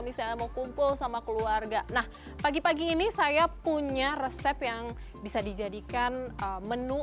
misalnya mau kumpul sama keluarga nah pagi pagi ini saya punya resep yang bisa dijadikan menu